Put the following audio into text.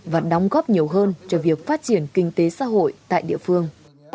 và đóng góp nhiều hơn cho việc phát triển kinh tế xã hội tại địa phương